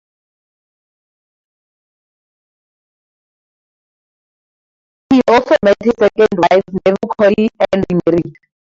He also met his second wife (Neville Colley) and remarried.